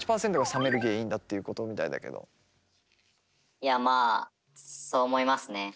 いやまあそう思いますね。